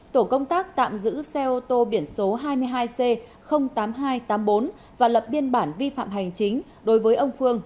tổ công tác tạm giữ xe ô tô biển số hai mươi hai c tám nghìn hai trăm tám mươi bốn và lập biên bản vi phạm hành chính đối với ông phương